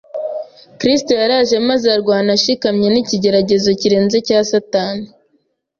Kristo yaraje maze arwana ashikamye n’ikigeragezo kirenze cya Satani